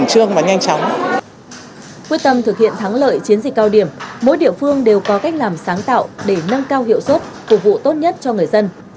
quyết tâm thực hiện thắng lợi chiến dịch cao điểm mỗi địa phương đều có cách làm sáng tạo để nâng cao hiệu suất phục vụ tốt nhất cho người dân